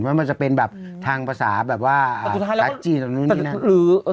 ว่ามันจะเป็นแบบทางภาษาแบบว่ารักจีนตรงนู้นนี่นะ